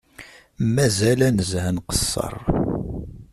Mazal ad nezhu ad nqeṣṣer